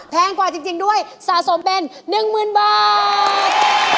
กว่าจริงด้วยสะสมเป็น๑๐๐๐บาท